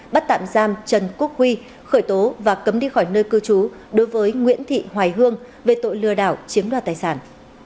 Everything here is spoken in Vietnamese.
bắt tạm giam trần quốc huy khởi tố và cấm đi khỏi nơi cư trú đối với nguyễn thị hoài hương về tội lừa đảo chiếm đoạt tài sản